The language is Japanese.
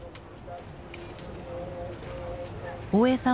大江さん